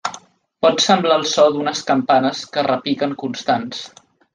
Pot semblar el so d’unes campanes que repiquen constants.